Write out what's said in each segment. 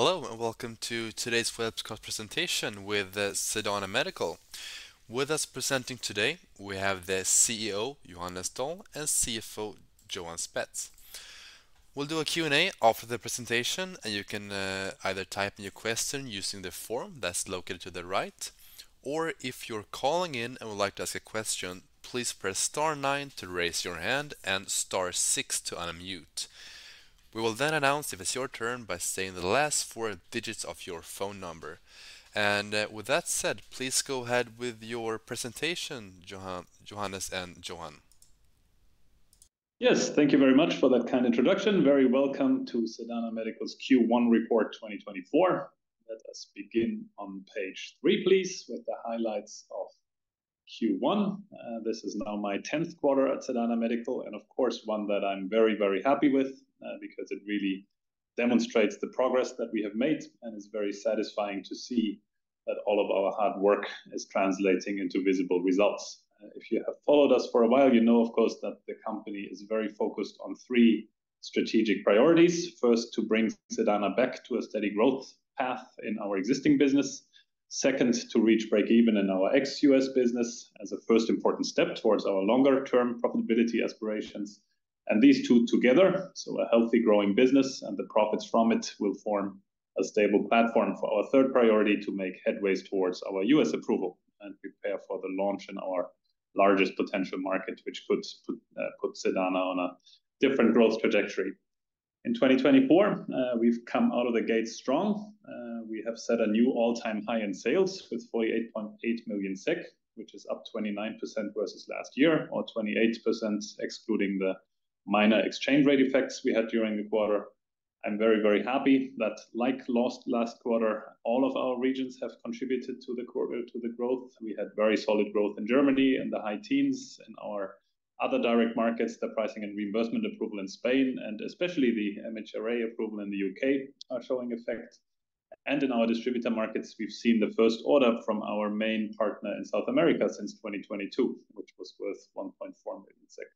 Hello and welcome to today's teleconference presentation with Sedana Medical. With us presenting today, we have the CEO, Johannes Doll, and CFO, Johan Spetz. We'll do a Q&A after the presentation, and you can, either type in your question using the form that's located to the right, or if you're calling in and would like to ask a question, please press star 9 to raise your hand and star 6 to unmute. We will then announce if it's your turn by saying the last 4 digits of your phone number. With that said, please go ahead with your presentation, Johannes, and Johan. Yes, thank you very much for that kind introduction. Very welcome to Sedana Medical's Q1 report 2024. Let us begin on page 3, please, with the highlights of Q1. This is now my 10th quarter at Sedana Medical, and of course one that I'm very, very happy with, because it really demonstrates the progress that we have made, and it's very satisfying to see that all of our hard work is translating into visible results. If you have followed us for a while, you know, of course, that the company is very focused on three strategic priorities. First, to bring Sedana back to a steady growth path in our existing business. Second, to reach break-even in our ex-U.S. business as a first important step towards our longer-term profitability aspirations. And these 2 together, so a healthy growing business and the profits from it, will form a stable platform for our 3rd priority to make headway towards our U.S. approval and prepare for the launch in our largest potential market, which could put, put Sedana on a different growth trajectory. In 2024, we've come out of the gates strong. We have set a new all-time high in sales with 48.8 million SEK, which is up 29% versus last year, or 28% excluding the minor exchange rate effects we had during the quarter. I'm very, very happy that, like last quarter, all of our regions have contributed to the quarter to the growth. We had very solid growth in Germany and the high teens in our other direct markets. The pricing and reimbursement approval in Spain, and especially the MHRA approval in the U.K., are showing effect. In our distributor markets, we've seen the first order from our main partner in South America since 2022, which was worth 1.4 million SEK.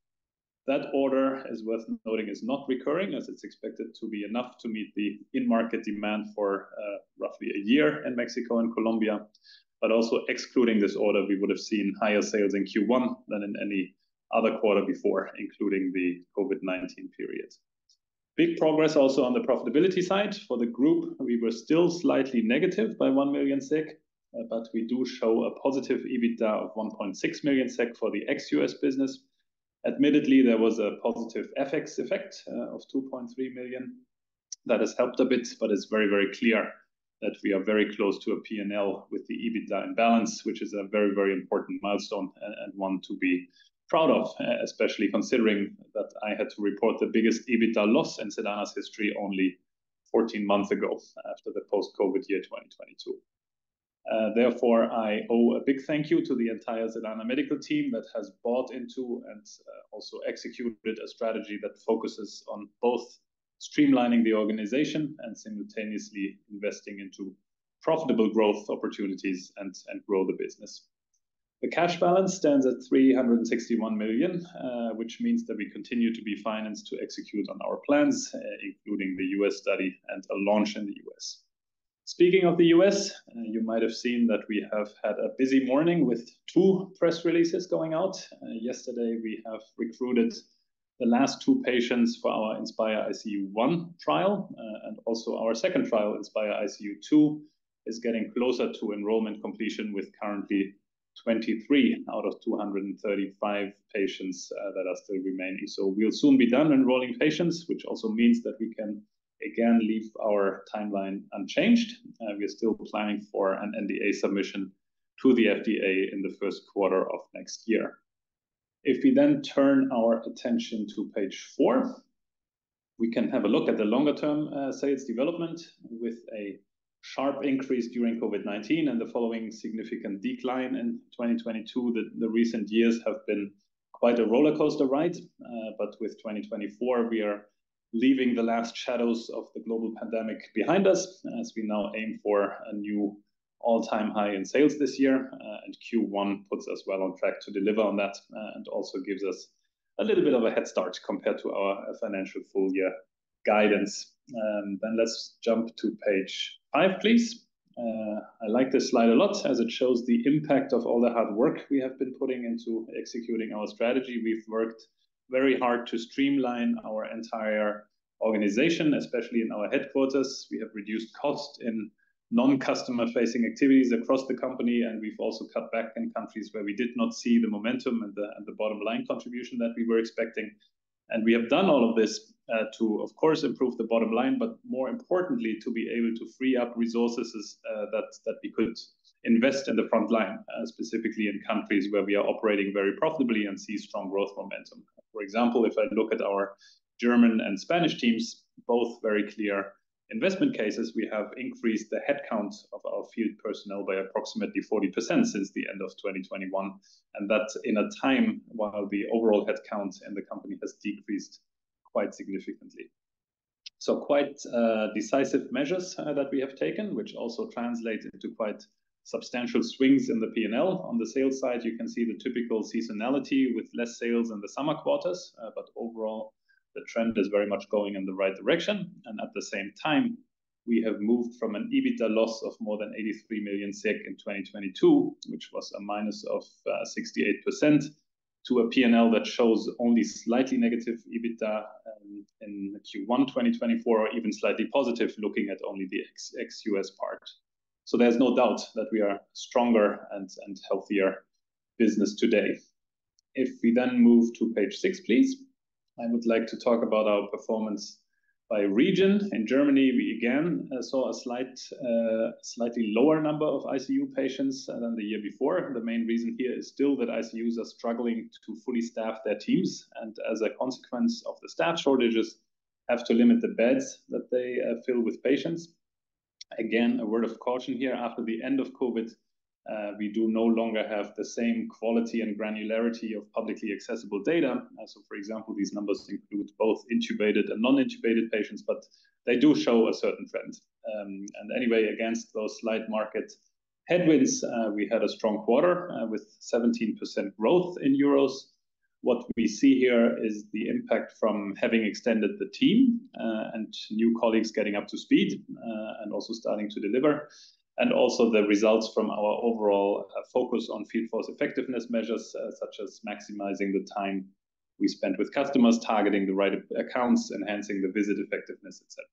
That order, as is worth noting, is not recurring, as it's expected to be enough to meet the in-market demand for roughly a year in Mexico and Colombia. But also excluding this order, we would have seen higher sales in Q1 than in any other quarter before, including the COVID-19 period. Big progress also on the profitability side for the group. We were still slightly negative by 1 million SEK, but we do show a positive EBITDA of 1.6 million SEK for the ex-U.S. business. Admittedly, there was a positive FX effect of 2.3 million. That has helped a bit, but it's very, very clear that we are very close to a P&L with the EBITDA in balance, which is a very, very important milestone, and one to be proud of, especially considering that I had to report the biggest EBITDA loss in Sedana's history only 14 months ago after the post-COVID year 2022. Therefore, I owe a big thank you to the entire Sedana Medical team that has bought into and also executed a strategy that focuses on both streamlining the organization and simultaneously investing into profitable growth opportunities and grow the business. The cash balance stands at 361 million, which means that we continue to be financed to execute on our plans, including the U.S. study and a launch in the U.S. Speaking of the U.S., you might have seen that we have had a busy morning with 2 press releases going out. Yesterday we have recruited the last 2 patients for our INSPiRE-ICU 1 trial, and also our second trial. INSPiRE-ICU 2 is getting closer to enrollment completion with currently 23 out of 235 patients that are still remaining. So we'll soon be done enrolling patients, which also means that we can again leave our timeline unchanged. We're still planning for an NDA submission to the FDA in the 1st quarter of next year. If we then turn our attention to page 4, we can have a look at the longer-term sales development with a sharp increase during COVID-19 and the following significant decline in 2022. The recent years have been quite a roller coaster ride, but with 2024 we are leaving the last shadows of the global pandemic behind us as we now aim for a new all-time high in sales this year, and Q1 puts us well on track to deliver on that, and also gives us a little bit of a head start compared to our financial full year guidance. Let's jump to page 5, please. I like this slide a lot as it shows the impact of all the hard work we have been putting into executing our strategy. We've worked very hard to streamline our entire organization, especially in our headquarters. We have reduced costs in non-customer facing activities across the company, and we've also cut back in countries where we did not see the momentum and the bottom line contribution that we were expecting. We have done all of this, to, of course, improve the bottom line, but more importantly, to be able to free up resources that we could invest in the front line, specifically in countries where we are operating very profitably and see strong growth momentum. For example, if I look at our German and Spanish teams, both very clear investment cases, we have increased the headcount of our field personnel by approximately 40% since the end of 2021, and that's in a time while the overall headcount in the company has decreased quite significantly. Quite decisive measures that we have taken, which also translate into quite substantial swings in the P&L on the sales side. You can see the typical seasonality with less sales in the summer quarters, but overall the trend is very much going in the right direction. At the same time, we have moved from an EBITDA loss of more than 83 million SEK in 2022, which was a minus of 68% to a P&L that shows only slightly negative EBITDA, in Q1 2024, or even slightly positive, looking at only the ex-US part. There's no doubt that we are a stronger and healthier business today. If we then move to page 6, please. I would like to talk about our performance by region. In Germany, we again saw a slightly lower number of ICU patients than the year before. The main reason here is still that ICUs are struggling to fully staff their teams, and as a consequence of the staff shortages, have to limit the beds that they fill with patients. Again, a word of caution here. After the end of COVID, we no longer have the same quality and granularity of publicly accessible data. So, for example, these numbers include both intubated and non-intubated patients, but they do show a certain trend. Anyway, against those slight market headwinds, we had a strong quarter, with 17% growth in EUR. What we see here is the impact from having extended the team, and new colleagues getting up to speed, and also starting to deliver. And also the results from our overall focus on field force effectiveness measures, such as maximizing the time we spent with customers, targeting the right accounts, enhancing the visit effectiveness, etc.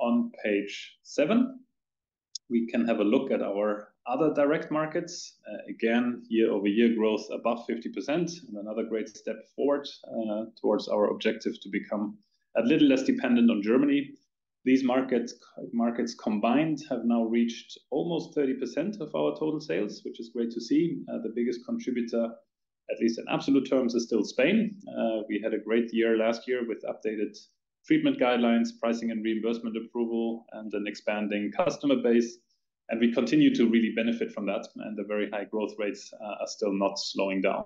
On page 7, we can have a look at our other direct markets. Again, year-over-year growth above 50%, and another great step forward towards our objective to become a little less dependent on Germany. These markets combined have now reached almost 30% of our total sales, which is great to see. The biggest contributor, at least in absolute terms, is still Spain. We had a great year last year with updated treatment guidelines, pricing and reimbursement approval, and an expanding customer base. We continue to really benefit from that, and the very high growth rates are still not slowing down.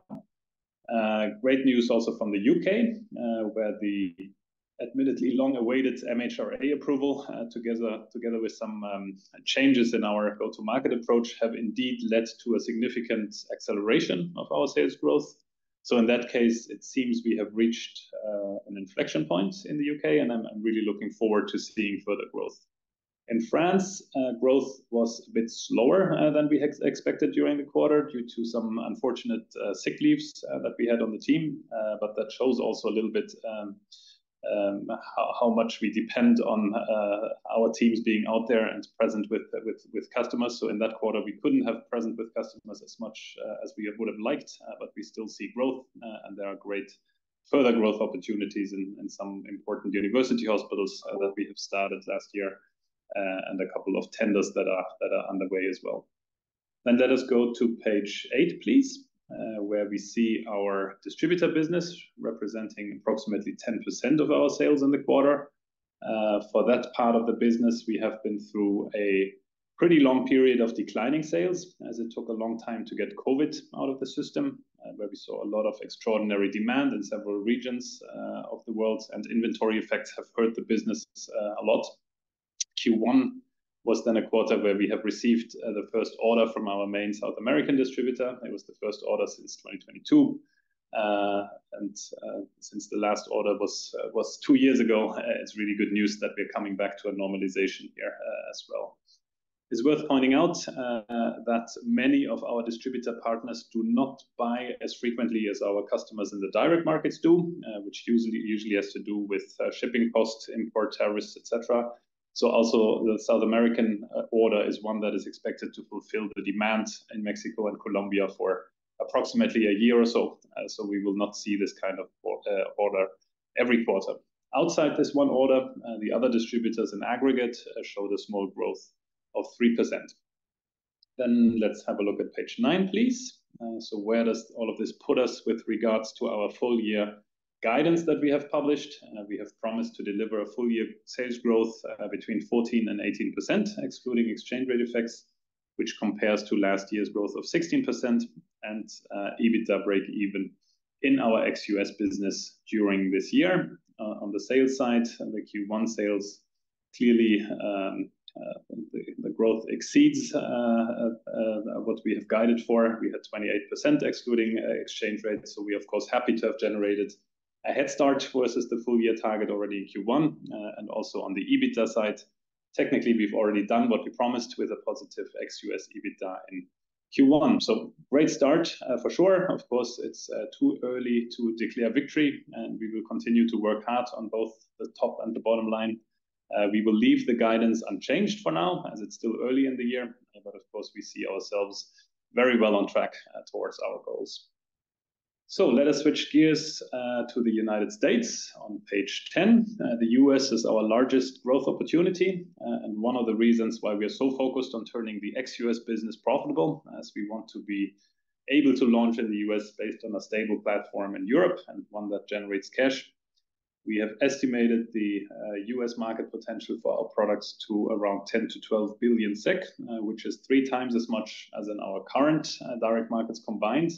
Great news also from the U.K., where the admittedly long awaited MHRA approval, together with some changes in our go-to-market approach, have indeed led to a significant acceleration of our sales growth. In that case, it seems we have reached an inflection point in the U.K., and I'm really looking forward to seeing further growth. In France, growth was a bit slower than we expected during the quarter due to some unfortunate sick leaves that we had on the team, but that shows also a little bit how much we depend on our teams being out there and present with customers. So in that quarter, we couldn't have present with customers as much as we would have liked, but we still see growth, and there are great further growth opportunities in some important university hospitals that we have started last year, and a couple of tenders that are underway as well. Let us go to page 8, please, where we see our distributor business representing approximately 10% of our sales in the quarter. For that part of the business, we have been through a pretty long period of declining sales, as it took a long time to get COVID out of the system, where we saw a lot of extraordinary demand in several regions of the world, and inventory effects have hurt the business a lot. Q1 was then a quarter where we have received the 1st order from our main South American distributor. It was the 1st order since 2022. And since the last order was 2 years ago, it's really good news that we're coming back to a normalization here as well. It's worth pointing out that many of our distributor partners do not buy as frequently as our customers in the direct markets do, which usually has to do with shipping costs, import tariffs, etc. So also the South American order is one that is expected to fulfill the demand in Mexico and Colombia for approximately a year or so. So we will not see this kind of order every quarter. Outside this one order, the other distributors in aggregate showed a small growth of 3%. Then let's have a look at page 9, please. So where does all of this put us with regards to our full year guidance that we have published? We have promised to deliver a full year sales growth between 14%-18%, excluding exchange rate effects, which compares to last year's growth of 16% and EBITDA break-even in our ex-U.S. business during this year. On the sales side, the Q1 sales clearly the growth exceeds what we have guided for. We had 28% excluding exchange rates. We're of course happy to have generated a head start versus the full year target already in Q1, and also on the EBITDA side. Technically, we've already done what we promised with a positive ex-U.S. EBITDA in Q1. Great start for sure. Of course, it's too early to declare victory, and we will continue to work hard on both the top and the bottom line. We will leave the guidance unchanged for now, as it's still early in the year. But of course, we see ourselves very well on track towards our goals. Let us switch gears to the United States on page 10. The U.S. is our largest growth opportunity, and one of the reasons why we are so focused on turning the ex-US business profitable, as we want to be able to launch in the U.S. based on a stable platform in Europe and one that generates cash. We have estimated the U.S. market potential for our products to around 10 billion-12 billion SEK, which is 3 times as much as in our current direct markets combined.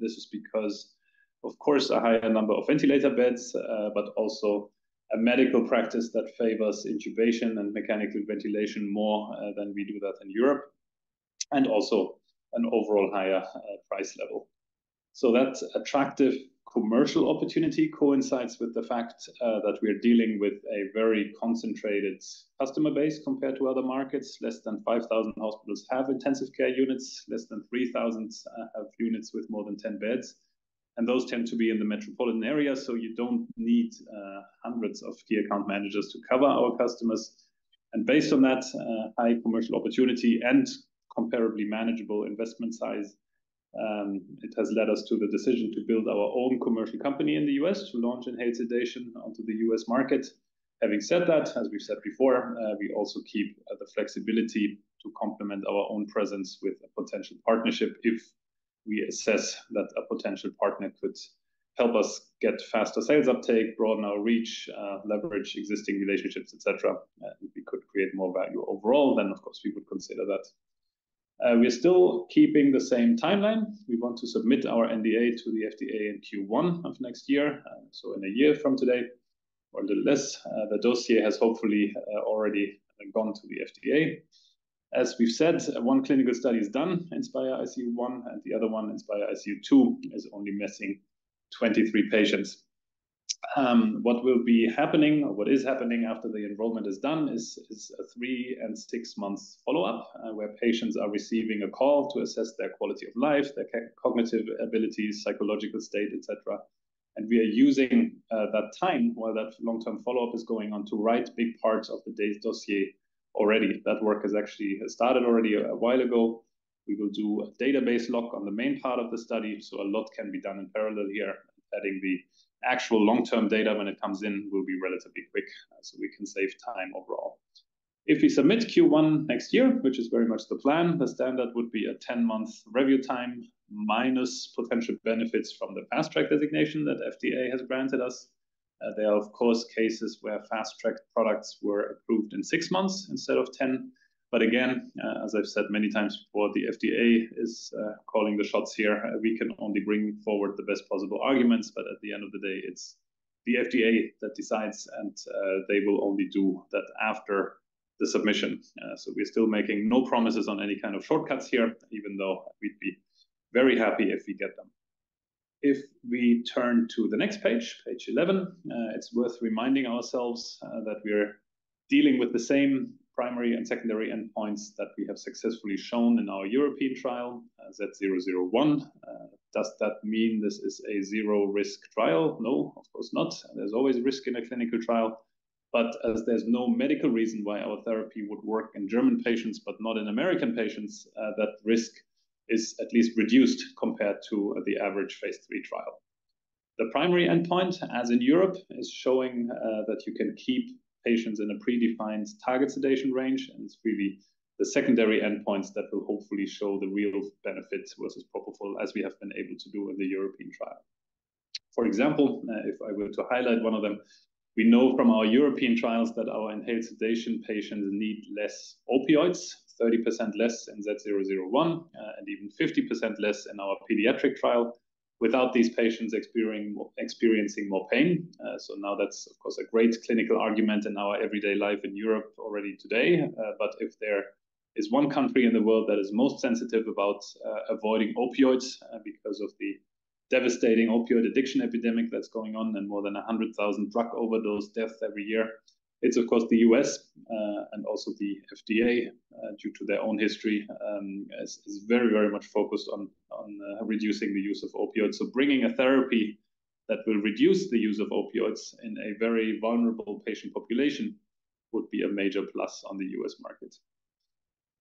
This is because, of course, a higher number of ventilator beds, but also a medical practice that favors intubation and mechanical ventilation more than we do that in Europe. Also an overall higher price level. That attractive commercial opportunity coincides with the fact that we are dealing with a very concentrated customer base compared to other markets. Less than 5,000 hospitals have intensive care units. Less than 3,000 have units with more than 10 beds. Those tend to be in the metropolitan area. You don't need hundreds of key account managers to cover our customers. Based on that high commercial opportunity and comparably manageable investment size, it has led us to the decision to build our own commercial company in the U.S. to launch inhaled sedation onto the U.S. market. Having said that, as we've said before, we also keep the flexibility to complement our own presence with a potential partnership if we assess that a potential partner could help us get faster sales uptake, broaden our reach, leverage existing relationships, etc. We could create more value overall. Of course, we would consider that. We're still keeping the same timeline. We want to submit our NDA to the FDA in Q1 of next year. So in a year from today, or a little less, the dossier has hopefully already gone to the FDA. As we've said, one clinical study is done, INSPiRE-ICU 1, and the other one, INSPiRE-ICU 2, is only missing 23 patients. What will be happening, or what is happening after the enrollment is done, is a 3- and 6-month follow-up where patients are receiving a call to assess their quality of life, their cognitive abilities, psychological state, etc. We are using that time while that long-term follow-up is going on to write big parts of the NDA's dossier already. That work has actually started already a while ago. We will do a database lock on the main part of the study. So a lot can be done in parallel here. Adding the actual long-term data when it comes in will be relatively quick, so we can save time overall. If we submit Q1 next year, which is very much the plan, the standard would be a 10-month review time minus potential benefits from the Fast Track designation that FDA has granted us. There are, of course, cases where Fast Track products were approved in 6 months instead of 10. But again, as I've said many times before, the FDA is calling the shots here. We can only bring forward the best possible arguments, but at the end of the day, it's the FDA that decides, and they will only do that after the submission. So we're still making no promises on any kind of shortcuts here, even though we'd be very happy if we get them. If we turn to the next page, page 11, it's worth reminding ourselves that we're dealing with the same primary and secondary endpoints that we have successfully shown in our European trial, Z001. Does that mean this is a zero-risk trial? No, of course not. There's always risk in a clinical trial. But as there's no medical reason why our therapy would work in German patients, but not in American patients, that risk is at least reduced compared to the average phase 3 trial. The primary endpoint, as in Europe, is showing that you can keep patients in a predefined target sedation range, and it's really the secondary endpoints that will hopefully show the real benefits versus propofol, as we have been able to do in the European trial. For example, if I were to highlight one of them, we know from our European trials that our inhaled sedation patients need less opioids, 30% less in Z001, and even 50% less in our pediatric trial without these patients experiencing more pain. So now that's, of course, a great clinical argument in our everyday life in Europe already today. But if there is one country in the world that is most sensitive about avoiding opioids because of the devastating opioid addiction epidemic that's going on and more than 100,000 drug overdose deaths every year, it's, of course, the U.S. and also the FDA, due to their own history, is very, very much focused on reducing the use of opioids. So bringing a therapy that will reduce the use of opioids in a very vulnerable patient population would be a major plus on the U.S. market.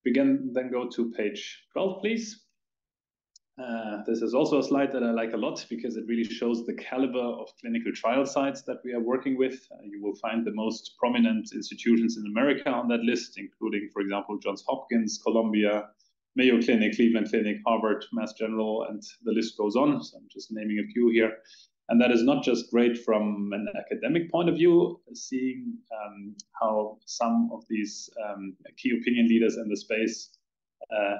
We can then go to page 12, please. This is also a slide that I like a lot because it really shows the caliber of clinical trial sites that we are working with. You will find the most prominent institutions in America on that list, including, for example, Johns Hopkins, Columbia, Mayo Clinic, Cleveland Clinic, Harvard, Mass General, and the list goes on. So I'm just naming a few here. And that is not just great from an academic point of view, seeing how some of these key opinion leaders in the space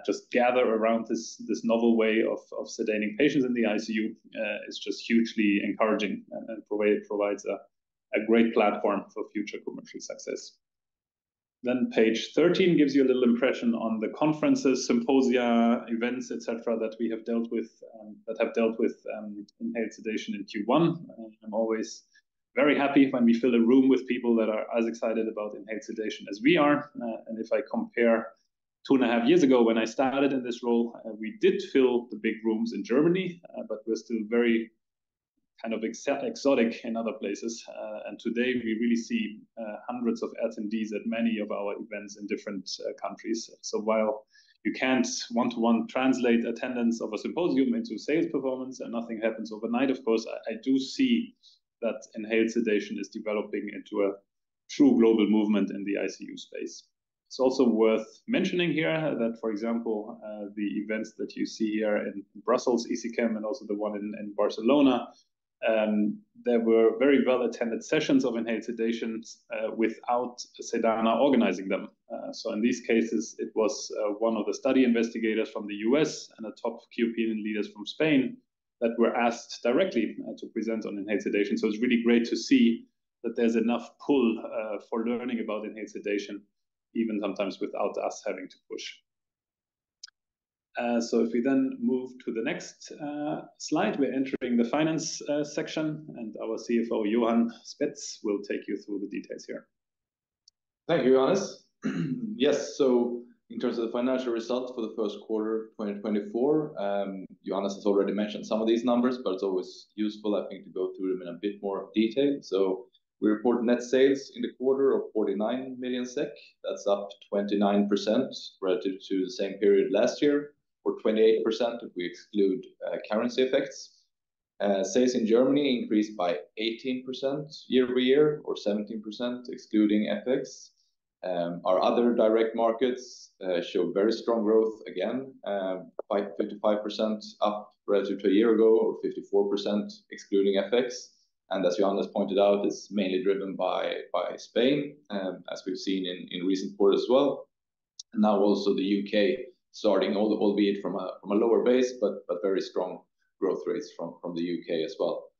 just gather around this novel way of sedating patients in the ICU is just hugely encouraging and provides a great platform for future commercial success. Then page 13 gives you a little impression on the conferences, symposia, events, etc., that we have dealt with that have dealt with inhaled sedation in Q1. I'm always very happy when we fill a room with people that are as excited about inhaled sedation as we are. If I compare 2.5 years ago when I started in this role, we did fill the big rooms in Germany, but we're still very kind of exotic in other places. And today we really see hundreds of attendees at many of our events in different countries. So while you can't one-to-one translate attendance of a symposium into sales performance and nothing happens overnight, of course, I do see that inhaled sedation is developing into a true global movement in the ICU space. It's also worth mentioning here that, for example, the events that you see here in Brussels, ESICM, and also the one in Barcelona, there were very well-attended sessions of inhaled sedation without Sedana organizing them. So in these cases, it was one of the study investigators from the U.S. and a top key opinion leaders from Spain that were asked directly to present on inhaled sedation. So it's really great to see that there's enough pull for learning about inhaled sedation, even sometimes without us having to push. So if we then move to the next slide, we're entering the finance section, and our CFO, Johan Spetz, will take you through the details here. Thank you, Johannes. Yes, so in terms of the financial results for the first quarter, 2024, Johannes has already mentioned some of these numbers, but it's always useful, I think, to go through them in a bit more detail. So we report net sales in the quarter of 49 million SEK. That's up 29% relative to the same period last year, or 28% if we exclude currency effects. Sales in Germany increased by 18% year-over-year, or 17% excluding FX. Our other direct markets show very strong growth again, 55% up relative to a year ago, or 54% excluding FX. And as Johannes pointed out, it's mainly driven by Spain, as we've seen in recent quarters as well. And now also the U.K., starting all, albeit from a lower base, but very strong growth rates from the U.K. as well.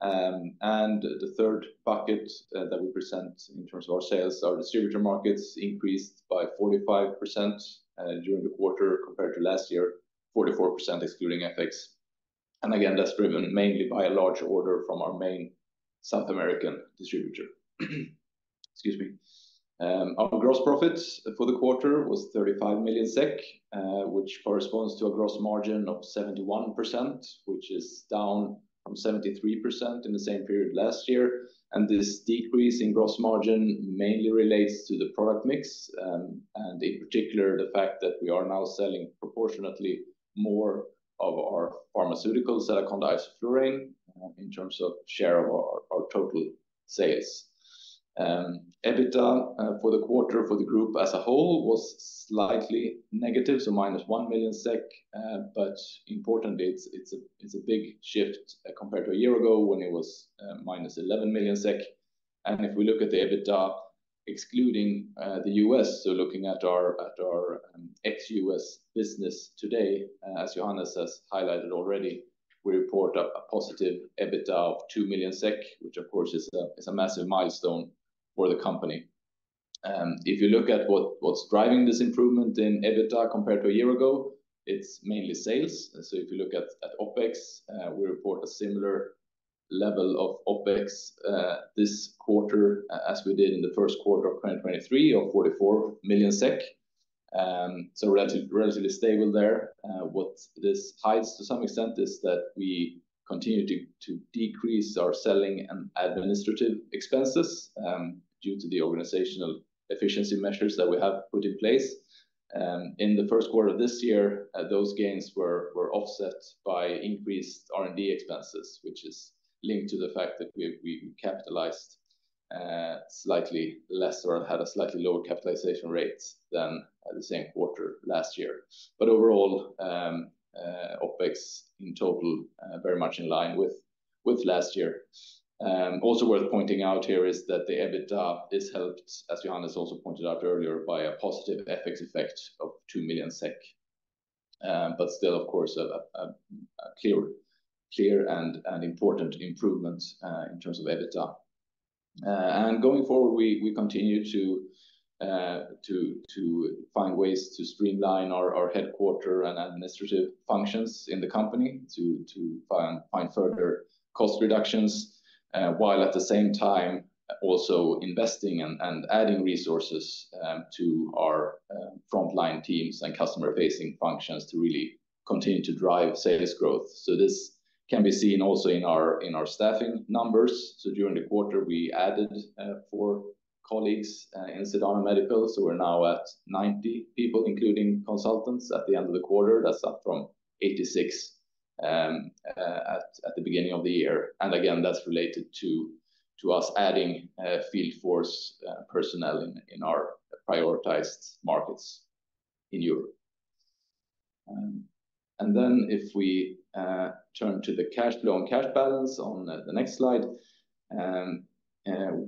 And the third bucket that we present in terms of our sales are distributor markets increased by 45% during the quarter compared to last year, 44% excluding FX. And again, that's driven mainly by a large order from our main South American distributor. Excuse me. Our gross profit for the quarter was 35 million SEK, which corresponds to a gross margin of 71%, which is down from 73% in the same period last year. This decrease in gross margin mainly relates to the product mix, and in particular, the fact that we are now selling proportionately more of our pharmaceuticals, Sedaconda isoflurane, in terms of share of our total sales. EBITDA for the quarter for the group as a whole was slightly negative, so -1 million SEK. Importantly, it's a big shift compared to a year ago when it was -11 million SEK. If we look at the EBITDA excluding the U.S., so looking at our ex-U.S. business today, as Johannes has highlighted already, we report a positive EBITDA of 2 million SEK, which of course is a massive milestone for the company. If you look at what's driving this improvement in EBITDA compared to a year ago, it's mainly sales. So if you look at OpEx, we report a similar level of OpEx this quarter as we did in the first quarter of 2023 of 44 million SEK. So relatively stable there. What this hides to some extent is that we continue to decrease our selling and administrative expenses due to the organizational efficiency measures that we have put in place. In the first quarter of this year, those gains were offset by increased R&D expenses, which is linked to the fact that we capitalized slightly less or had a slightly lower capitalization rate than the same quarter last year. But overall, OpEx in total very much in line with last year. Also worth pointing out here is that the EBITDA is helped, as Johannes also pointed out earlier, by a positive FX effect of 2 million SEK. But still, of course, a clear and important improvement in terms of EBITDA. Going forward, we continue to find ways to streamline our headquarters and administrative functions in the company to find further cost reductions while at the same time also investing and adding resources to our frontline teams and customer-facing functions to really continue to drive sales growth. This can be seen also in our staffing numbers. During the quarter, we added 4 colleagues in Sedana Medical. We're now at 90 people, including consultants, at the end of the quarter. That's up from 86 at the beginning of the year. And again, that's related to us adding field force personnel in our prioritized markets in Europe. And then if we turn to the cash flow and cash balance on the next slide,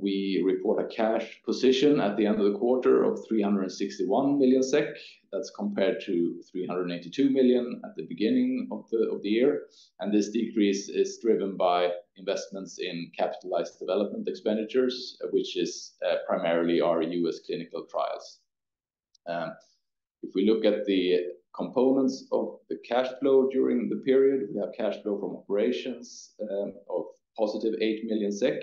we report a cash position at the end of the quarter of 361 million SEK. That's compared to 382 million at the beginning of the year. And this decrease is driven by investments in capitalized development expenditures, which is primarily our U.S. clinical trials. If we look at the components of the cash flow during the period, we have cash flow from operations of positive 8 million SEK.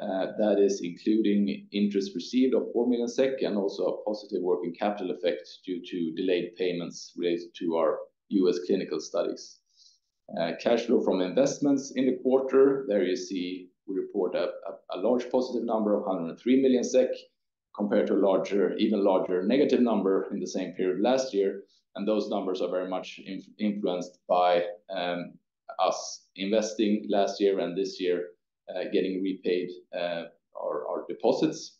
That is including interest received of 4 million SEK and also a positive working capital effect due to delayed payments related to our U.S. clinical studies. Cash flow from investments in the quarter, there you see we report a large positive number of 103 million SEK compared to a larger, even larger negative number in the same period last year. Those numbers are very much influenced by us investing last year and this year getting repaid our deposits.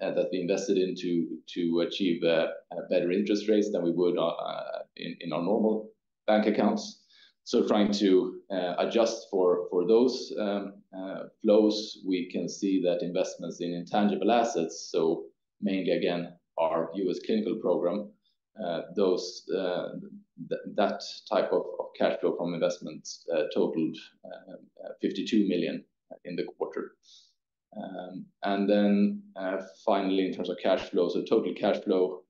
That we invested into to achieve better interest rates than we would in our normal bank accounts. Trying to adjust for those flows, we can see that investments in intangible assets, so mainly again our U.S. clinical program, those, that type of cash flow from investments totaled 52 million in the quarter. And then finally in terms of cash flow, so total cash flow,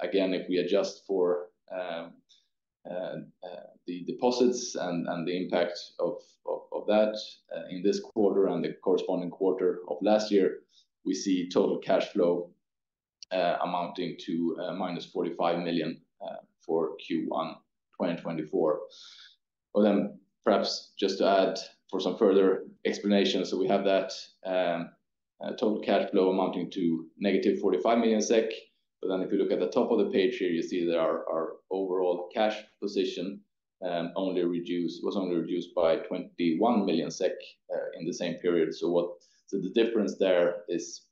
again, if we adjust for the deposits and the impact of that in this quarter and the corresponding quarter of last year, we see total cash flow amounting to minus 45 million for Q1 2024. Well, then perhaps just to add for some further explanation, so we have that total cash flow amounting to negative 45 million SEK. But then if you look at the top of the page here, you see that our overall cash position was only reduced by 21 million SEK in the same period. So the difference there is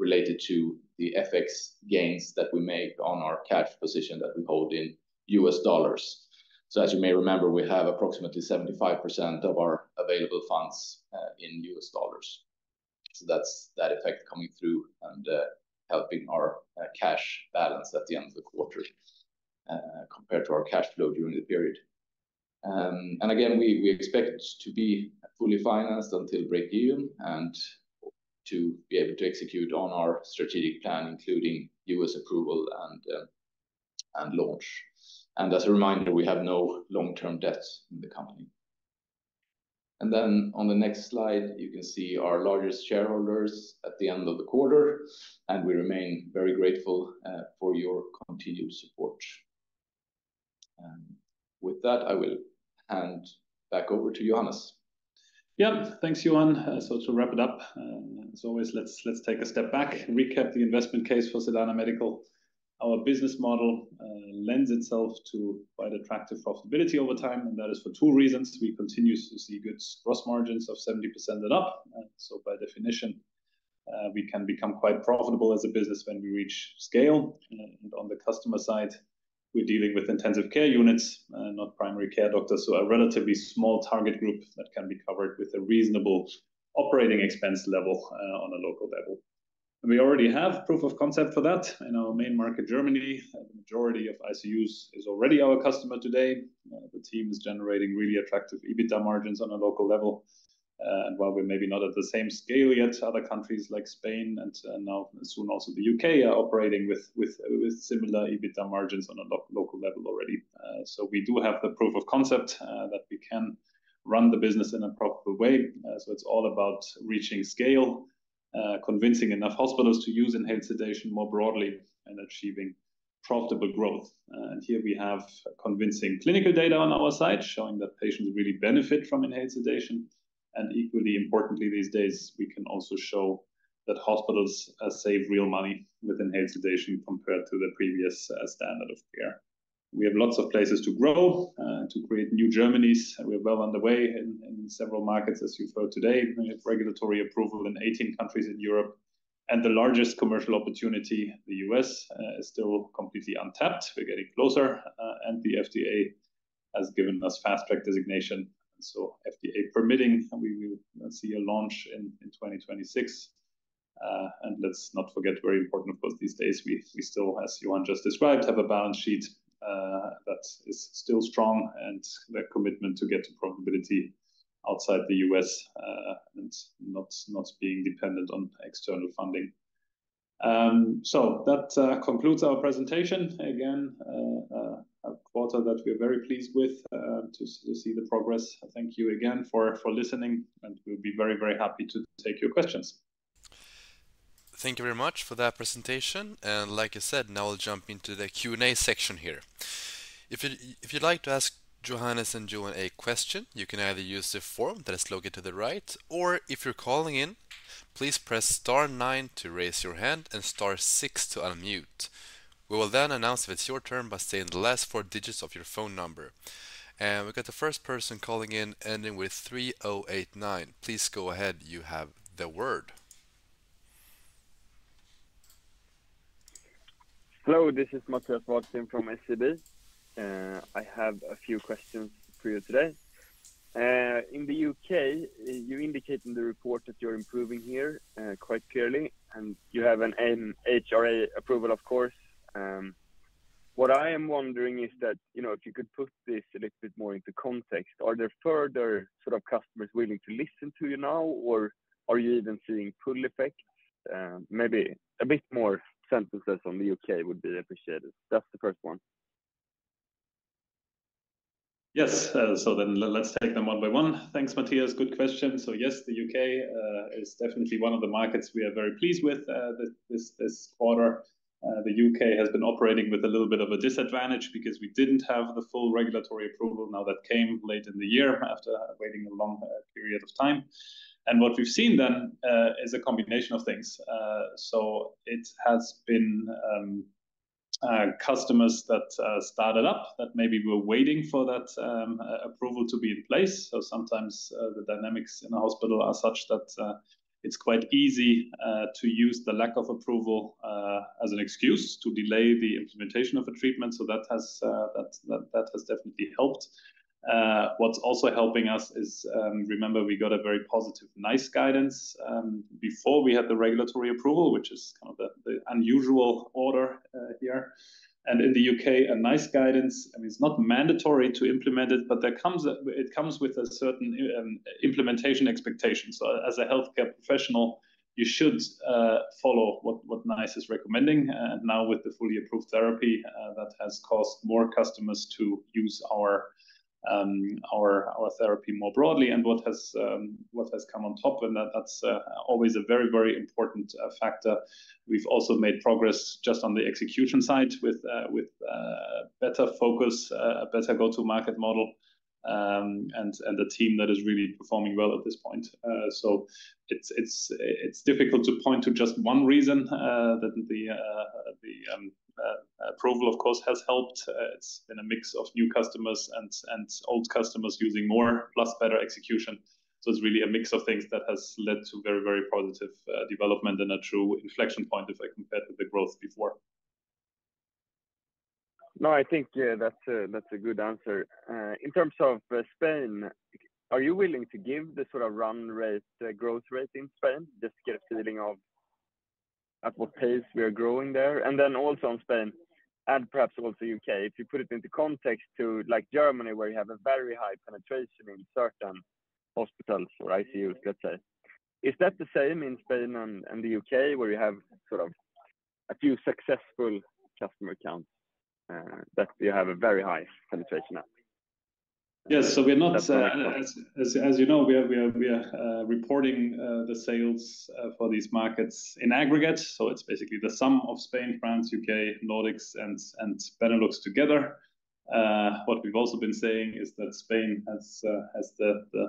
related to the FX gains that we make on our cash position that we hold in U.S. dollars. So as you may remember, we have approximately 75% of our available funds in U.S. dollars. That's that effect coming through and helping our cash balance at the end of the quarter compared to our cash flow during the period. Again, we expect to be fully financed until break even and to be able to execute on our strategic plan, including U.S. approval and launch. As a reminder, we have no long-term debts in the company. Then on the next slide, you can see our largest shareholders at the end of the quarter, and we remain very grateful for your continued support. With that, I will hand back over to Johannes. Yeah, thanks, Johan. To wrap it up, as always, let's take a step back, recap the investment case for Sedana Medical. Our business model lends itself to quite attractive profitability over time, and that is for two reasons. We continue to see good gross margins of 70% and up. So by definition, we can become quite profitable as a business when we reach scale. On the customer side, we're dealing with intensive care units, not primary care doctors, so a relatively small target group that can be covered with a reasonable operating expense level on a local level. We already have proof of concept for that in our main market, Germany. The majority of ICUs is already our customer today. The team is generating really attractive EBITDA margins on a local level. While we're maybe not at the same scale yet, other countries like Spain and now soon also the U.K. are operating with similar EBITDA margins on a local level already. So we do have the proof of concept that we can run the business in a profitable way. So it's all about reaching scale. Convincing enough hospitals to use inhaled sedation more broadly and achieving profitable growth. And here we have convincing clinical data on our side, showing that patients really benefit from inhaled sedation. And equally importantly, these days, we can also show that hospitals save real money with inhaled sedation compared to the previous standard of care. We have lots of places to grow to create new Germanies. We are well underway in several markets, as you've heard today. We have regulatory approval in 18 countries in Europe. And the largest commercial opportunity, the U.S., is still completely untapped. We're getting closer. And the FDA has given us Fast Track designation. And so FDA permitting, we will see a launch in 2026. Let's not forget, very important, of course, these days, we still, as Johan just described, have a balance sheet that is still strong and the commitment to get to profitability outside the U.S. and not being dependent on external funding. That concludes our presentation again. A quarter that we're very pleased with to see the progress. Thank you again for listening, and we'll be very, very happy to take your questions. Thank you very much for that presentation. Like I said, now we'll jump into the Q&A section here. If you'd like to ask Johannes and Johan a question, you can either use the form that is located to the right, or if you're calling in, please press star nine to raise your hand and star six to unmute. We will then announce if it's your turn by saying the last four digits of your phone number. We've got the first person calling in ending with 3089. Please go ahead, you have the word. Hello, this is Mattias Vadsten from SEB. I have a few questions for you today. In the United Kingdom, you indicate in the report that you're improving here quite clearly, and you have an MHRA approval, of course. What I am wondering is that, you know, if you could put this a little bit more into context, are there further sort of customers willing to listen to you now, or are you even seeing pull effects? Maybe a bit more sentences on the United Kingdom would be appreciated. That's the first one. Yes, so then let's take them one by one. Thanks, Matthias. Good question. So yes, the U.K. is definitely one of the markets we are very pleased with this quarter. The U.K. has been operating with a little bit of a disadvantage because we didn't have the full regulatory approval. Now that came late in the year after waiting a long period of time. And what we've seen then is a combination of things. So it has been customers that started up that maybe were waiting for that approval to be in place. So sometimes the dynamics in a hospital are such that it's quite easy to use the lack of approval as an excuse to delay the implementation of a treatment. So that has definitely helped. What's also helping us is, remember, we got a very positive NICE guidance before we had the regulatory approval, which is kind of the unusual order here. And in the U.K., a NICE guidance. I mean, it's not mandatory to implement it, but it comes with a certain implementation expectation. So as a healthcare professional, you should follow what NICE is recommending. And now with the fully approved therapy, that has caused more customers to use our therapy more broadly. And what has come on top, and that's always a very, very important factor. We've also made progress just on the execution side with better focus, a better go-to-market model. And the team that is really performing well at this point. So it's difficult to point to just one reason that the approval, of course, has helped. It's been a mix of new customers and old customers using more plus better execution. So it's really a mix of things that has led to very, very positive development and a true inflection point if I compared with the growth before. No, I think that's a good answer. In terms of Spain, are you willing to give the sort of run rate growth rate in Spain just to get a feeling of at what pace we are growing there? And then also in Spain, and perhaps also U.K., if you put it into context to like Germany where you have a very high penetration in certain hospitals or ICUs, let's say. Is that the same in Spain and the U.K. where you have sort of a few successful customer counts that you have a very high penetration at? Yes, so we're not as you know, we are reporting the sales for these markets in aggregate. So it's basically the sum of Spain, France, U.K., Nordics, and Benelux together. What we've also been saying is that Spain has the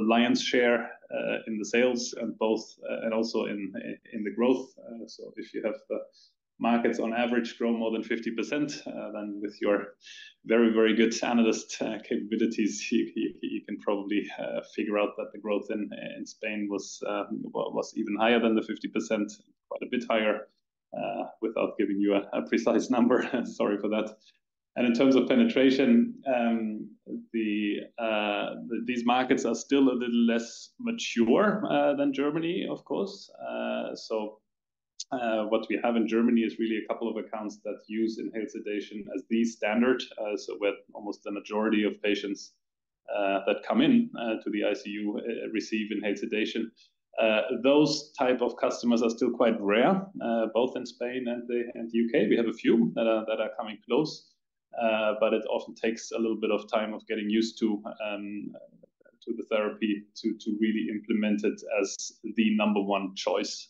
lion's share in the sales and both and also in the growth. So if you have the markets on average grow more than 50%, then with your very, very good analyst capabilities, you can probably figure out that the growth in Spain was even higher than the 50%, quite a bit higher without giving you a precise number. Sorry for that. And in terms of penetration, these markets are still a little less mature than Germany, of course. So what we have in Germany is really a couple of accounts that use inhaled sedation as the standard. So with almost the majority of patients that come in to the ICU receive inhaled sedation. Those type of customers are still quite rare, both in Spain and the U.K.. We have a few that are coming close. But it often takes a little bit of time of getting used to the therapy to really implement it as the number one choice.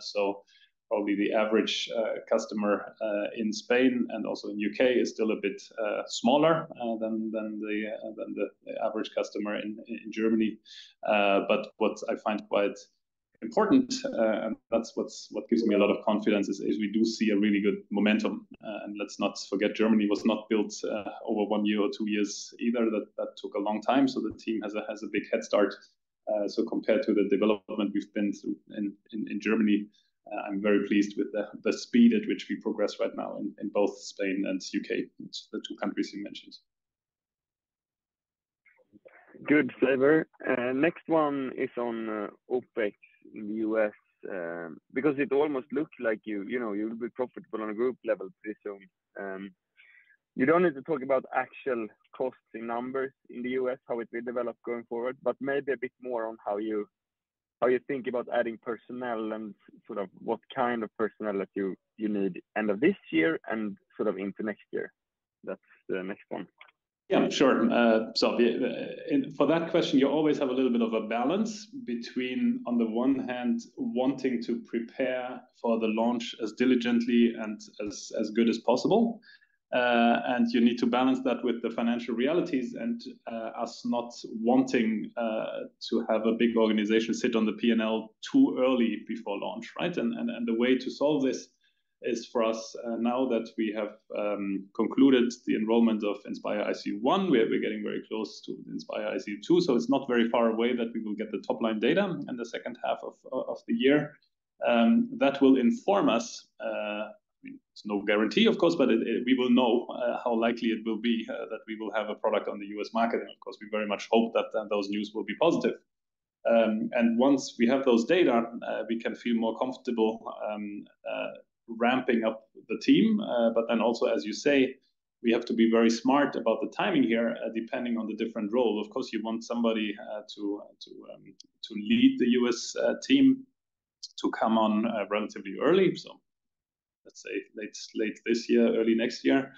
So probably the average customer in Spain and also in U.K. is still a bit smaller than the average customer in Germany. But what I find quite important, and that's what gives me a lot of confidence, is we do see a really good momentum. And let's not forget, Germany was not built over one year or two years either. That took a long time. So the team has a big head start. So compared to the development we've been through in Germany, I'm very pleased with the speed at which we progress right now in both Spain and U.K., the two countries you mentioned. Good flavor. Next one is on OpEx in the U.S., because it almost looks like you, you know, you'll be profitable on a group level pretty soon. You don't need to talk about actual costs in numbers in the U.S., how it will develop going forward, but maybe a bit more on how you think about adding personnel and sort of what kind of personnel that you need end of this year and sort of into next year. That's the next one. Yeah, sure. So for that question, you always have a little bit of a balance between on the one hand, wanting to prepare for the launch as diligently and as good as possible. And you need to balance that with the financial realities and us not wanting to have a big organization sit on the P&L too early before launch, right? And the way to solve this is for us now that we have concluded the enrollment of Inspire ICU 1, we're getting very close to the Inspire ICU 2. So it's not very far away that we will get the top line data in the second half of the year. That will inform us. I mean, it's no guarantee, of course, but we will know how likely it will be that we will have a product on the U.S. market. Of course, we very much hope that those news will be positive. Once we have those data, we can feel more comfortable ramping up the team. But then also, as you say, we have to be very smart about the timing here depending on the different role. Of course, you want somebody to lead the U.S. team to come on relatively early. So let's say late this year, early next year.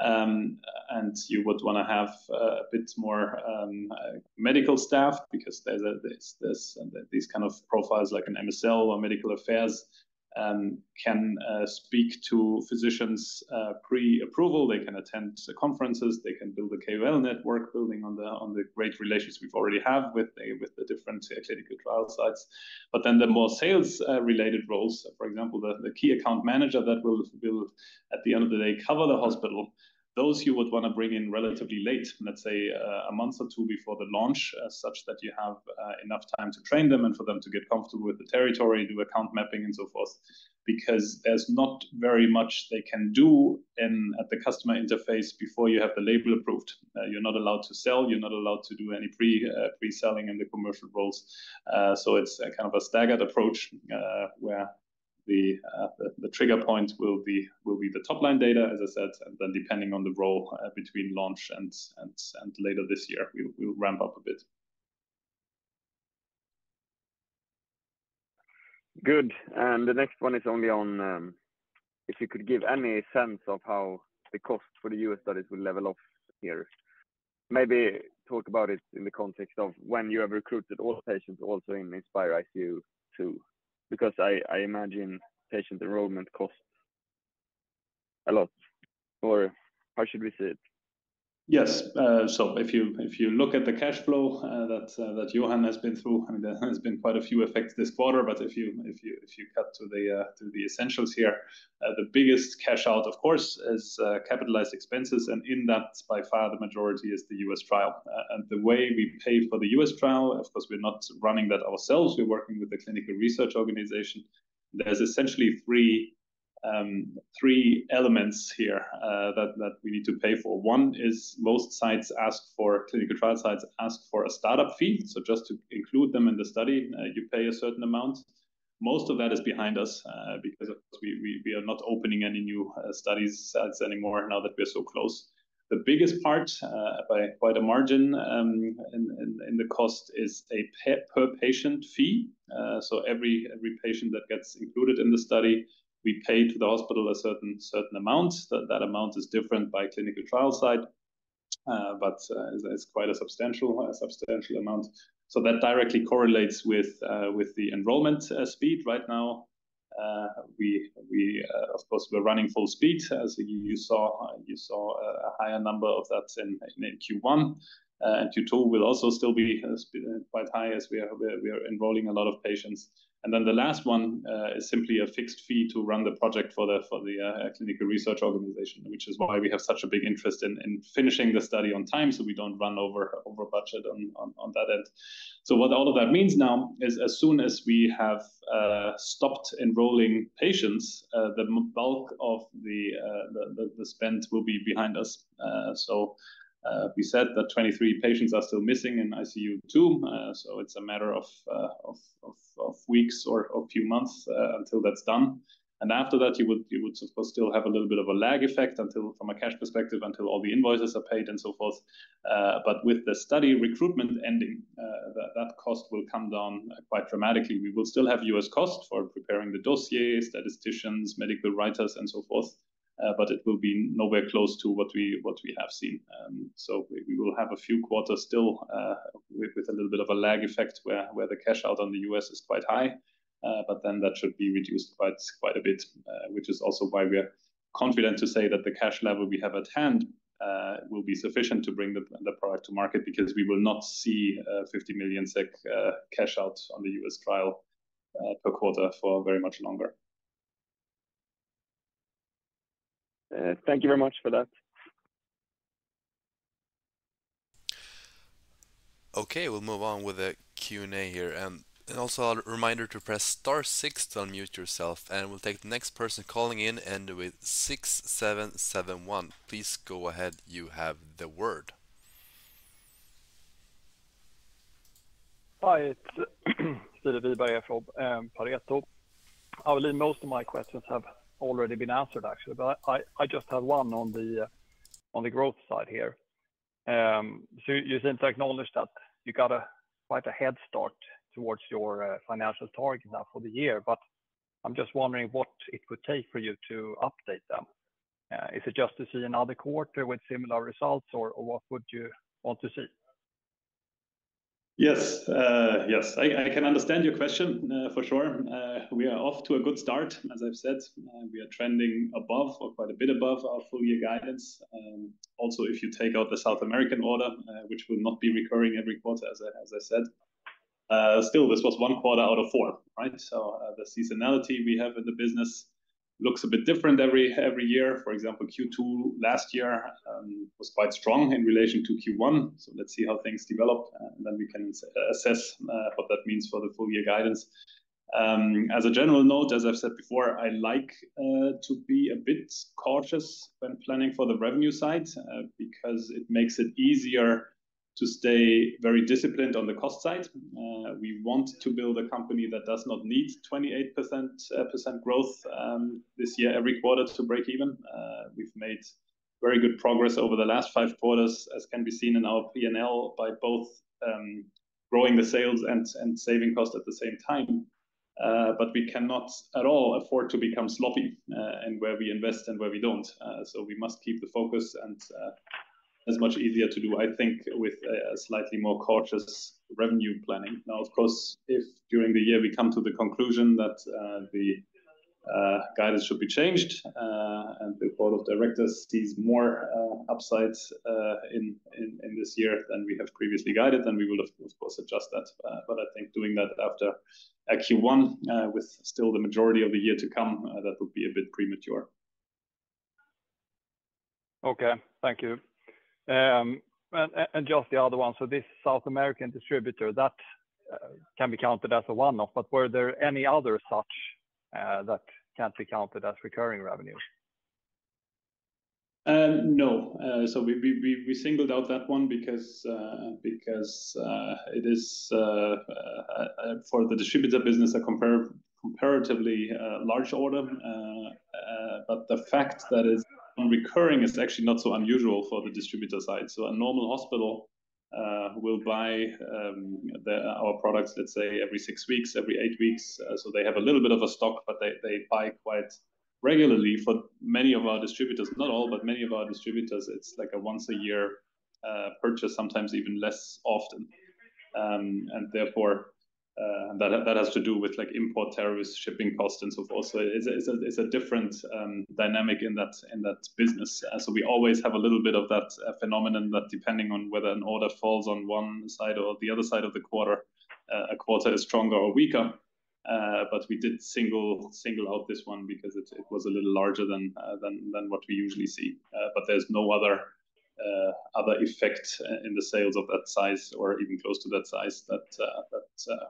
And you would want to have a bit more medical staff because there's this kind of profiles like an MSL or medical affairs can speak to physicians pre-approval. They can attend conferences. They can build a KOL network building on the great relations we've already have with the different clinical trial sites. But then the more sales-related roles, for example, the key account manager that will at the end of the day cover the hospital, those you would want to bring in relatively late, let's say a month or two before the launch such that you have enough time to train them and for them to get comfortable with the territory, do account mapping and so forth. Because there's not very much they can do at the customer interface before you have the label approved. You're not allowed to sell. You're not allowed to do any pre-selling in the commercial roles. So it's kind of a staggered approach where the trigger point will be the top line data, as I said, and then depending on the role between launch and later this year, we'll ramp up a bit. Good. The next one is only on if you could give any sense of how the cost for the U.S. studies will level off here. Maybe talk about it in the context of when you have recruited all patients also in INSPiRE-ICU 2. Because I imagine patient enrollment costs a lot. Or how should we see it? Yes. So if you look at the cash flow that Johan has been through, I mean, there has been quite a few effects this quarter. But if you cut to the essentials here, the biggest cash out, of course, is capitalized expenses. And in that, by far, the majority is the U.S. trial. And the way we pay for the U.S. trial, of course, we're not running that ourselves. We're working with the clinical research organization. There's essentially three elements here that we need to pay for. One is most clinical trial sites ask for a startup fee. So just to include them in the study, you pay a certain amount. Most of that is behind us because of course we are not opening any new study sites anymore now that we are so close. The biggest part by quite a margin in the cost is a per patient fee. So every patient that gets included in the study, we pay to the hospital a certain amount. That amount is different by clinical trial site. But it's quite a substantial amount. So that directly correlates with the enrollment speed right now. We of course, we're running full speed. As you saw, a higher number of that in Q1. Q2 will also still be quite high as we are enrolling a lot of patients. And then the last one is simply a fixed fee to run the project for the clinical research organization, which is why we have such a big interest in finishing the study on time so we don't run over budget on that end. So what all of that means now is as soon as we have stopped enrolling patients, the bulk of the spend will be behind us. So we said that 23 patients are still missing in ICU 2. So it's a matter of weeks or a few months until that's done. After that, you would of course still have a little bit of a lag effect until, from a cash perspective, all the invoices are paid and so forth. But with the study recruitment ending, that cost will come down quite dramatically. We will still have U.S. costs for preparing the dossiers, statisticians, medical writers, and so forth. But it will be nowhere close to what we have seen. So we will have a few quarters still with a little bit of a lag effect where the cash out on the U.S. is quite high. But then that should be reduced quite a bit, which is also why we're confident to say that the cash level we have at hand will be sufficient to bring the product to market because we will not see 50 million SEK cash out on the U.S. trial per quarter for very much longer. Thank you very much for that. Okay, we'll move on with a Q&A here. And also a reminder to press star six to unmute yourself, and we'll take the next person calling in ending with 6771. Please go ahead, you have the word. Hi, it's Filip Eneberg from Pareto. I believe most of my questions have already been answered, actually, but I just have one on the growth side here. So you seem to acknowledge that you got a quite a head start towards your financial target now for the year, but I'm just wondering what it would take for you to update them. Is it just to see another quarter with similar results or what would you want to see? Yes. Yes, I can understand your question for sure. We are off to a good start. As I've said, we are trending above or quite a bit above our full year guidance. Also, if you take out the South American order, which will not be recurring every quarter as I said. Still, this was one quarter out of four, right? So the seasonality we have in the business looks a bit different every year. For example, Q2 last year was quite strong in relation to Q1. So let's see how things develop, and then we can assess what that means for the full year guidance. As a general note, as I've said before, I like to be a bit cautious when planning for the revenue side because it makes it easier to stay very disciplined on the cost side. We want to build a company that does not need 28% growth this year every quarter to break even. We've made very good progress over the last five quarters, as can be seen in our P&L by both growing the sales and saving costs at the same time. But we cannot at all afford to become sloppy and where we invest and where we don't. So we must keep the focus and as much easier to do, I think, with a slightly more cautious revenue planning. Now, of course, if during the year we come to the conclusion that the guidance should be changed and the board of directors sees more upsides in this year than we have previously guided, then we will, of course, adjust that. But I think doing that after a Q1 with still the majority of the year to come, that would be a bit premature. Okay, thank you. And just the other one. So this South American distributor that can be counted as a one-off. But were there any other such that can't be counted as recurring revenue? No, so we singled out that one because it is for the distributor business a comparatively large order. But the fact that it's recurring is actually not so unusual for the distributor side. So a normal hospital will buy our products, let's say, every six weeks, every eight weeks. So they have a little bit of a stock, but they buy quite regularly for many of our distributors, not all, but many of our distributors. It's like a once a year purchase, sometimes even less often. And therefore, that has to do with like import tariffs, shipping costs, and so forth. So it's a different dynamic in that business. So we always have a little bit of that phenomenon that depending on whether an order falls on one side or the other side of the quarter, a quarter is stronger or weaker. But we did single out this one because it was a little larger than what we usually see. But there's no other effect in the sales of that size or even close to that size that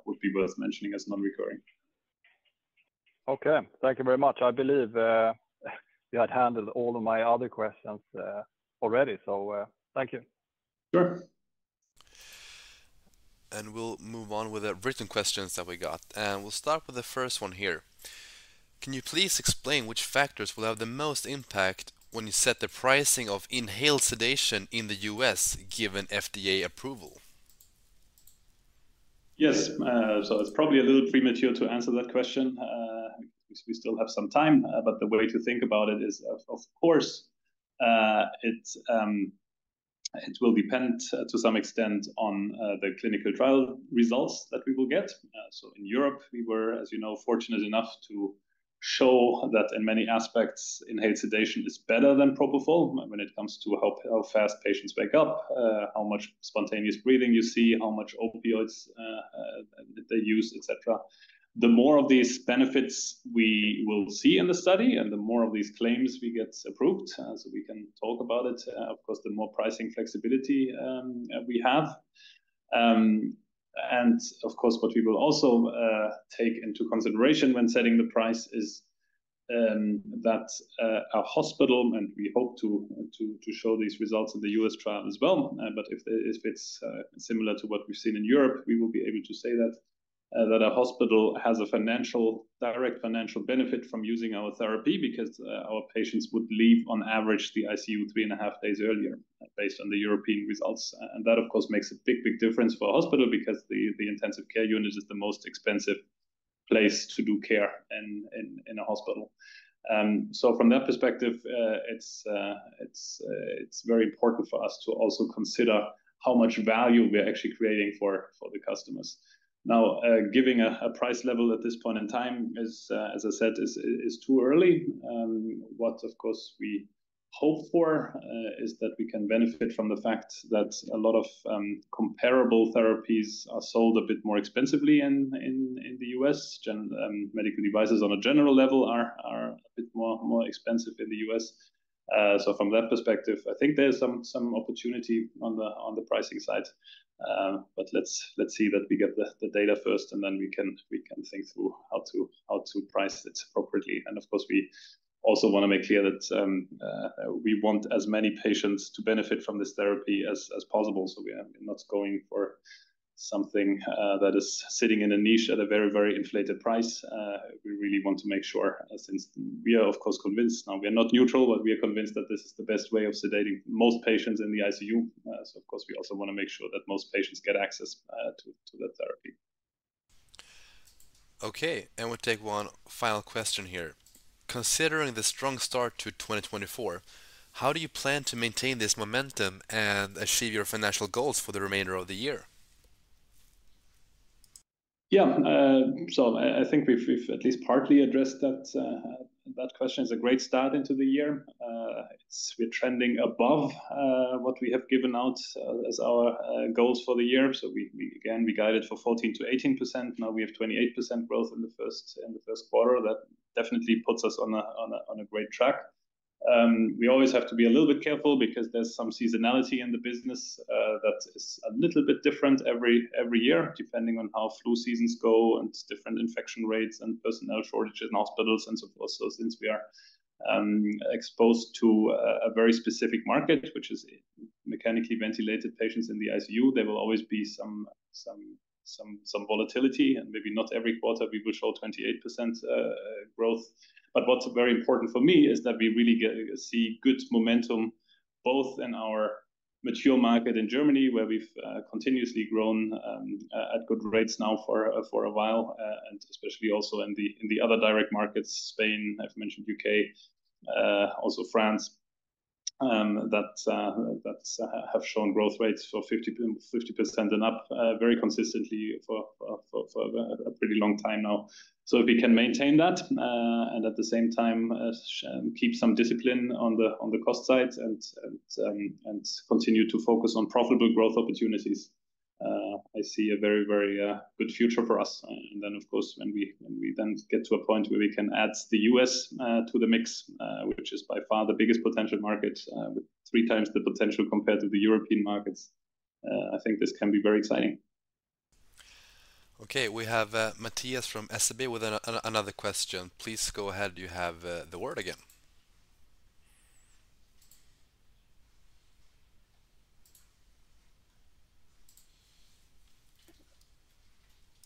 would be worth mentioning as non-recurring. Okay, thank you very much. I believe you had handled all of my other questions already. Thank you. Sure. We'll move on with the written questions that we got. We'll start with the first one here. Can you please explain which factors will have the most impact when you set the pricing of inhaled sedation in the U.S. given FDA approval? Yes. It's probably a little premature to answer that question. We still have some time, but the way to think about it is, of course, it will depend to some extent on the clinical trial results that we will get. So in Europe, we were, as you know, fortunate enough to show that in many aspects, inhaled sedation is better than propofol when it comes to how fast patients wake up, how much spontaneous breathing you see, how much opioids that they use, etc. The more of these benefits we will see in the study and the more of these claims we get approved, so we can talk about it. Of course, the more pricing flexibility we have. And of course, what we will also take into consideration when setting the price is that our hospital, and we hope to show these results in the U.S. trial as well. But if it's similar to what we've seen in Europe, we will be able to say that our hospital has a direct financial benefit from using our therapy because our patients would leave on average the ICU 3.5 days earlier based on the European results. And that, of course, makes a big, big difference for a hospital because the intensive care unit is the most expensive place to do care in a hospital. So from that perspective, it's very important for us to also consider how much value we're actually creating for the customers. Now, giving a price level at this point in time is, as I said, too early. What, of course, we hope for is that we can benefit from the fact that a lot of comparable therapies are sold a bit more expensively in the U.S. Medical devices on a general level are a bit more expensive in the U.S. So from that perspective, I think there's some opportunity on the pricing side. But let's see that we get the data first and then we can think through how to price it appropriately. And of course, we also want to make clear that we want as many patients to benefit from this therapy as possible. So we are not going for something that is sitting in a niche at a very, very inflated price. We really want to make sure since we are, of course, convinced now we are not neutral, but we are convinced that this is the best way of sedating most patients in the ICU. So of course, we also want to make sure that most patients get access to that therapy. Okay, and we'll take one final question here. Considering the strong start to 2024, how do you plan to maintain this momentum and achieve your financial goals for the remainder of the year? Yeah, so I think we've at least partly addressed that. That question is a great start into the year. It's we're trending above what we have given out as our goals for the year. So we again, we guided for 14%-18%. Now we have 28% growth in the first quarter. That definitely puts us on a great track. We always have to be a little bit careful because there's some seasonality in the business that is a little bit different every year, depending on how flu seasons go and different infection rates and personnel shortages in hospitals. And of course, since we are exposed to a very specific market, which is mechanically ventilated patients in the ICU, there will always be some volatility. And maybe not every quarter we will show 28% growth. But what's very important for me is that we really see good momentum both in our mature market in Germany, where we've continuously grown at good rates now for a while, and especially also in the other direct markets, Spain, I've mentioned U.K., also France. That have shown growth rates for 50% and up very consistently for a pretty long time now. So if we can maintain that and at the same time keep some discipline on the cost side and continue to focus on profitable growth opportunities. I see a very, very good future for us. And then, of course, when we then get to a point where we can add the U.S. to the mix, which is by far the biggest potential market with three times the potential compared to the European markets. I think this can be very exciting. Okay, we have Matthias from SEB with another question. Please go ahead. You have the word again.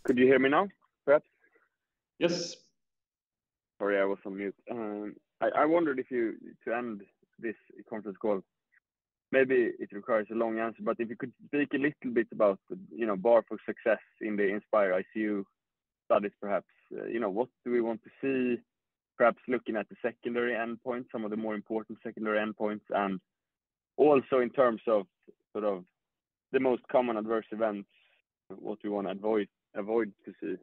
Could you hear me now, perhaps? Yes. Sorry, I was on mute. I wondered if you to end this conference call. Maybe it requires a long answer, but if you could speak a little bit about the, you know, bar for success in the INSPiRE-ICU studies, perhaps, you know, what do we want to see, perhaps looking at the secondary endpoints, some of the more important secondary endpoints, and also in terms of sort of the most common adverse events, what we want to avoid to see.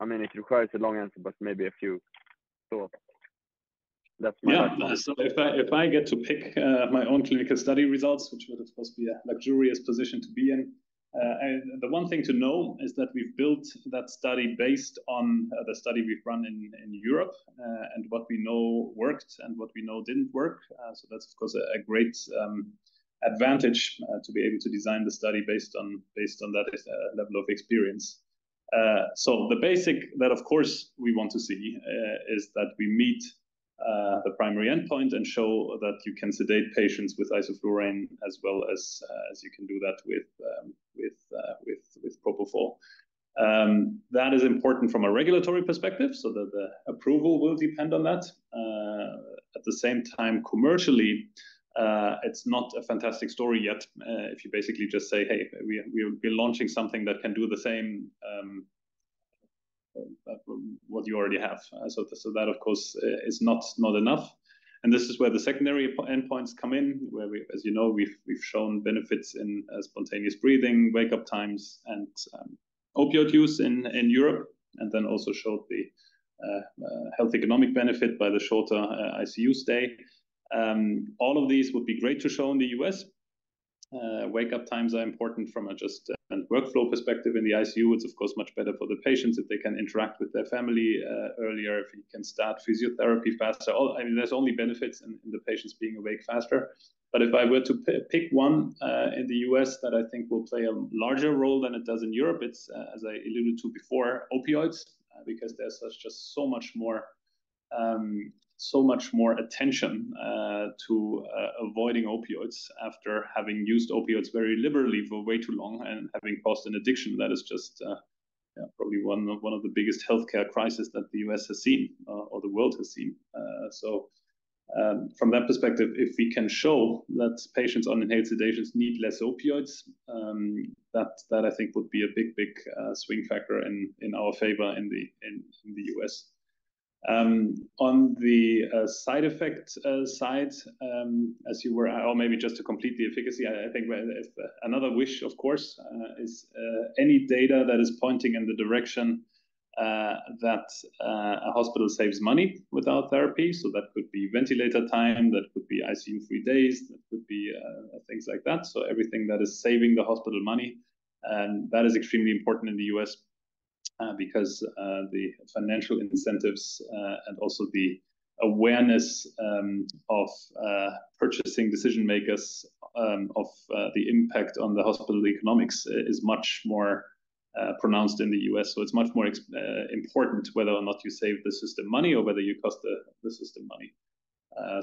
I mean, it requires a long answer, but maybe a few thoughts. That's my question. Yeah, so if I get to pick my own clinical study results, which would of course be a luxurious position to be in. And the one thing to know is that we've built that study based on the study we've run in Europe and what we know worked and what we know didn't work. So that's, of course, a great advantage to be able to design the study based on that level of experience. So the basic that, of course, we want to see is that we meet the primary endpoint and show that you can sedate patients with isoflurane as well as you can do that with propofol. That is important from a regulatory perspective, so that the approval will depend on that. At the same time, commercially, it's not a fantastic story yet. If you basically just say, hey, we're launching something that can do the same what you already have. So that, of course, is not enough. This is where the secondary endpoints come in, where we, as you know, we've shown benefits in spontaneous breathing, wake-up times, and opioid use in Europe, and then also showed the health economic benefit by the shorter ICU stay. All of these would be great to show in the U.S. Wake-up times are important from a just and workflow perspective in the ICU. It's, of course, much better for the patients if they can interact with their family earlier, if you can start physiotherapy faster. All I mean, there's only benefits in the patients being awake faster. But if I were to pick one in the U.S. that I think will play a larger role than it does in Europe, it's, as I alluded to before, opioids, because there's just so much more so much more attention to avoiding opioids after having used opioids very liberally for way too long and having caused an addiction that is just yeah probably one of one of the biggest healthcare crises that the U.S. has seen or the world has seen. So from that perspective, if we can show that patients on inhaled sedations need less opioids, that that I think would be a big, big swing factor in in our favor in the in in the U.S. On the side effect side, as you were, or maybe just to complete the efficacy, I think another wish, of course, is any data that is pointing in the direction that a hospital saves money without therapy. So that could be ventilator time. That could be ICU three days. That could be things like that. So everything that is saving the hospital money. And that is extremely important in the U.S. Because the financial incentives and also the awareness of purchasing decision makers of the impact on the hospital economics is much more pronounced in the U.S. So it's much more important whether or not you save the system money or whether you cost the system money.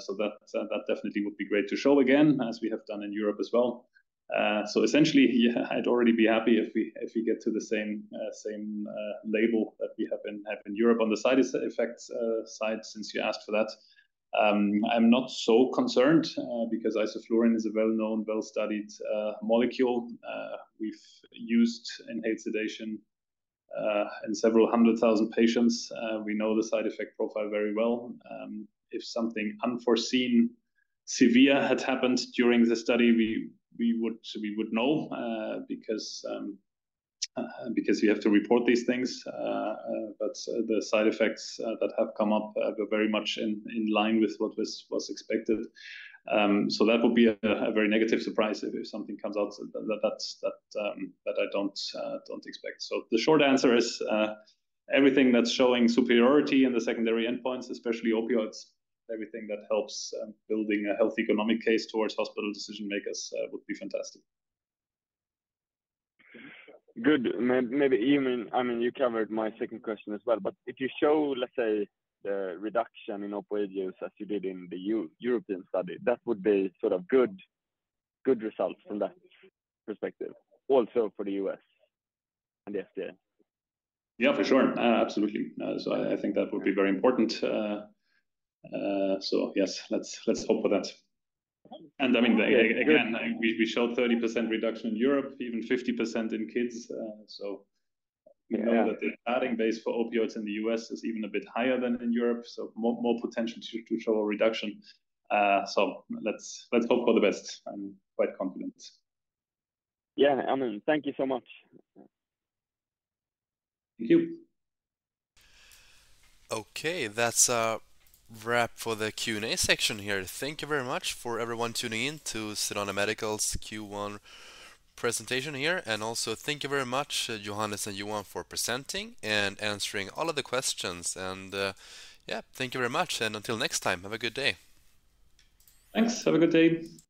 So that definitely would be great to show again as we have done in Europe as well. So essentially, yeah, I'd already be happy if we get to the same label that we have in Europe on the side effects side since you asked for that. I'm not so concerned because isoflurane is a well-known, well-studied molecule. We've used inhaled sedation in several hundred thousand patients. We know the side effect profile very well. If something unforeseen severe had happened during the study, we would know because you have to report these things. But the side effects that have come up were very much in line with what was expected. So that would be a very negative surprise if something comes out that I don't expect. So the short answer is everything that's showing superiority in the secondary endpoints, especially opioids. Everything that helps building a health economic case towards hospital decision makers would be fantastic. Good. Maybe you mean, I mean, you covered my second question as well, but if you show, let's say, the reduction in opioid use as you did in the European study, that would be sort of good good results from that perspective. Also for the U.S. And the FDA. Yeah, for sure. Absolutely. So I think that would be very important. So yes, let's let's hope for that. And I mean, again, we showed 30% reduction in Europe, even 50% in kids. So we know that the starting base for opioids in the U.S. is even a bit higher than in Europe. So more potential to show a reduction. So let's let's hope for the best. I'm quite confident. Yeah, I mean, thank you so much. Thank you. Okay, that's a wrap for the Q&A section here. Thank you very much for everyone tuning in to Sedana Medical's Q1 presentation here. Also thank you very much, Johannes and Johan, for presenting and answering all of the questions. Yeah, thank you very much. Until next time, have a good day. Thanks. Have a good day.